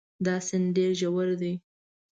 دا سیند ډېر ژور دی.